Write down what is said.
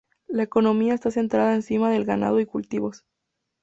La economía está centrada encima del ganado y cultivos.